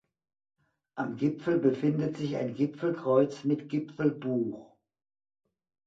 Am Gipfel befindet sich ein Gipfelkreuz mit Gipfelbuch.